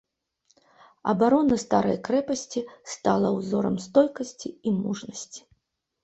Абарона старой крэпасці стала ўзорам стойкасці і мужнасці.